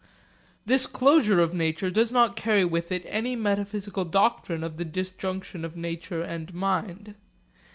This closure of nature does not carry with it any metaphysical doctrine of the disjunction of nature and mind.